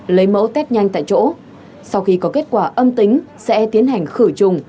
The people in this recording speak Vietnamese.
lấy mẫu test nhanh tại chỗ sau khi có kết quả âm tính sẽ tiến hành khử trùng